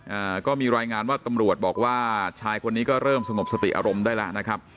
อ่าก็มีรายงานว่าตำรวจบอกว่าชายคนนี้ก็เริ่มสงบสติอารมณ์ได้แล้วนะครับ